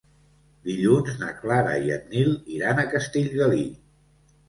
Dilluns na Clara i en Nil iran a Castellgalí.